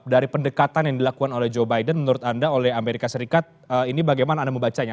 dari pendekatan yang dilakukan oleh joe biden menurut anda oleh amerika serikat ini bagaimana anda membacanya